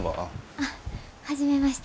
あっ初めまして。